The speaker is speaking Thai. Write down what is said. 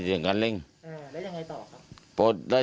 ได้เสียงคันเร่งแล้วยังไงต่อครับ